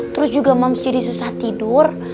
terus juga moms jadi susah tidur